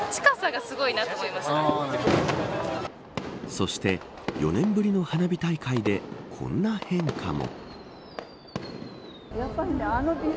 そして４年ぶりの花火大会でこんな変化も。